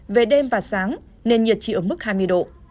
về đêm và sáng nền nhiệt chỉ ở mức hai mươi độ